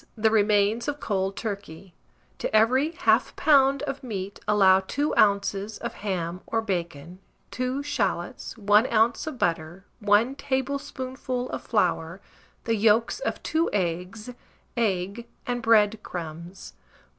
The remains of cold turkey; to every 1/2 lb. of meat allow 2 oz. of ham or bacon, 2 shalots, 1 oz. of butter, 1 tablespoonful of flour, the yolks of 2 eggs, egg and bread crumbs.